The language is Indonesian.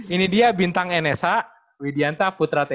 ini dia bintang enessa widianta putrateja